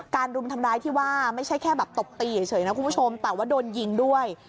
รุมทำร้ายที่ว่าไม่ใช่แค่แบบตบตีเฉยนะคุณผู้ชมแต่ว่าโดนยิงด้วย